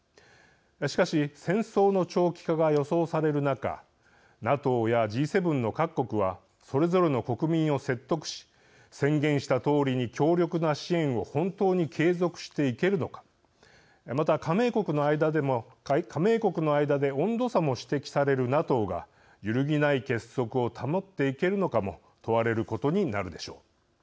しかし、戦争の長期化が予想される中ＮＡＴＯやＧ７の各国はそれぞれの国民を説得し宣言したとおりに強力な支援を本当に継続していけるのかまた、加盟国の間で温度差も指摘されるＮＡＴＯが揺るぎない結束を保っていけるのかも問われることになるでしょう。